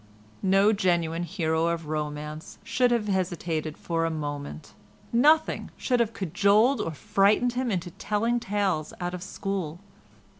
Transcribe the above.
No genuine hero of romance should have hesitated for a moment. Nothing should have cajoled or frightened him into telling tales out of school.